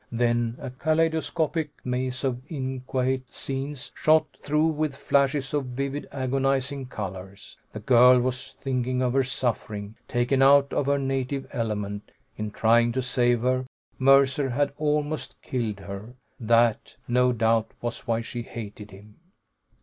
Then a kaleidoscopic maze of inchoate scenes, shot through with flashes of vivid, agonizing colors. The girl was thinking of her suffering, taken out of her native element. In trying to save her, Mercer had almost killed her. That, no doubt, was why she hated him.